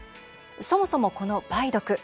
そもそも、この梅毒。